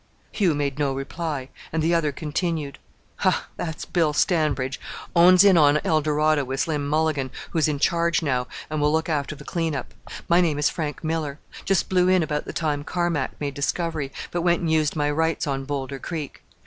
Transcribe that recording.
Hugh made no reply, and the other continued, "Ha! that's Bill Stanbridge; owns in on Eldorado with Slim Mulligan, who's in charge now, and will look after the clean up. My name is Frank Miller; just blew in about the time Carmack made discovery, but went and used my rights on Boulder Creek.